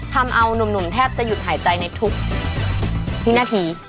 ทำเอานุ่มแทบจะหยุดหายใจในทุกวินาที